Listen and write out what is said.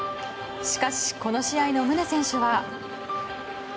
しかし、この試合の宗選手は。